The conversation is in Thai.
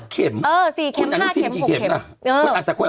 ๖เข็มเออ๔เข็ม๕เข็ม๖เข็ม